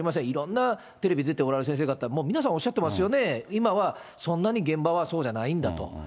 いろんなテレビ出ておられる先生方も皆さんおっしゃってますよね、今はそんなに現場はそうじゃないんだと。